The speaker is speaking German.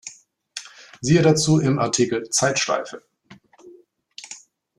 Siehe dazu im Artikel "Zeitschleife".